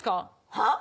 はっ？